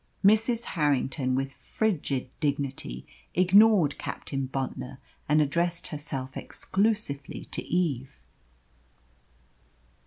Mrs. Harrington, with frigid dignity, ignored Captain Bontnor, and addressed herself exclusively to Eve.